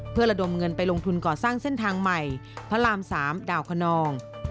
เพื่อระดมเงินไปลงทุนก่อสร้างเส้นทางใหม่พระราม๓ดาวคนนอง